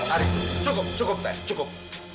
ari cukup cukup teh cukup